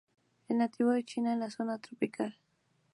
Es nativo de China en la zona tropical.